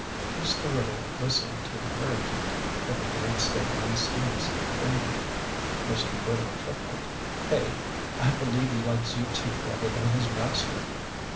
Mr. Whittle whistled to the parakeet, but the bird stayed on Steve's finger. Mr. Whittle chuckled. "Hey, I believe he likes you two better than his master!"